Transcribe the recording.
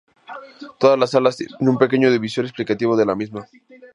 Todas las salas tienen un pequeño audiovisual explicativo de la misma.